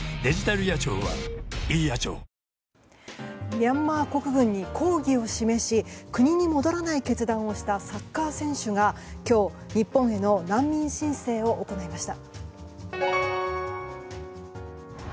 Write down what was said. ミャンマー国軍に抗議を示し国に戻らない決断をしたサッカー選手が今日、日本への難民申請を行いました。